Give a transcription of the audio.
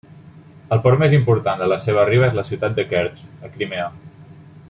El port més important de la seva riba és la ciutat de Kertx, a Crimea.